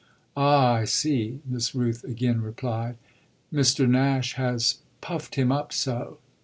"Ah I see," Miss Rooth again replied. "Mr. Nash has puffed him up so."